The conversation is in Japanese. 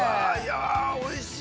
◆おいしい。